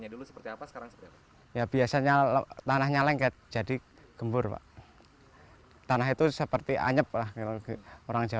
dulu tanahnya seperti apa